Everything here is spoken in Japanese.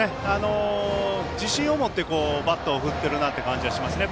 自信を持ってバットを振ってるなっていう感じがします。